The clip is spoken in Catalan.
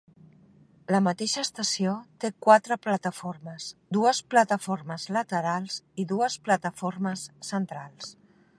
La mateixa estació té quatre plataformes: dues plataformes laterals i dues plataformes centrals.